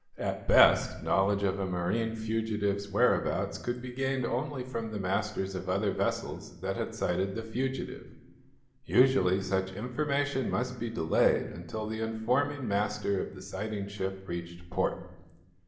At best, knowledge of a marine fugitive's whereabouts could be gained only from the masters of other vessels that had sighted the fugitive. Usually, such information must be delayed until the informing master of the sighting ship reached port.